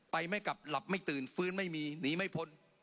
ไม่กลับหลับไม่ตื่นฟื้นไม่มีหนีไม่พ้น